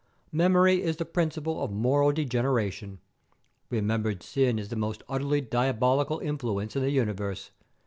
Memory is the principle of moral degeneration. Remembered sin is the most utterly diabolical influence in the universe.